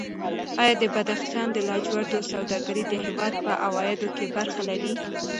ایا د بدخشان د لاجوردو سوداګري د هېواد په عوایدو کې برخه لري؟